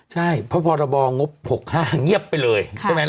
ใช่เพราะพรบง๖๕เงียบไปเลย